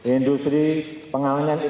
industri pengalanan ikan bikin